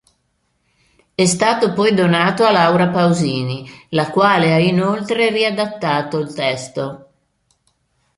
È stato poi donato a Laura Pausini la quale ha inoltre riadattato il testo.